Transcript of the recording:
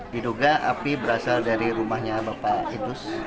diduga api berasal dari rumahnya bapak idus